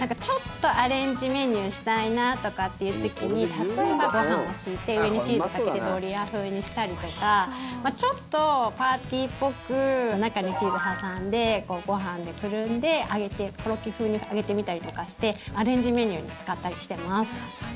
例えばご飯を敷いて上にチーズかけてドリア風にしたりとかちょっとパーティーっぽく中にチーズ挟んでご飯でくるんでコロッケ風に揚げてみたりとかしてアレンジメニューに使ったりしています。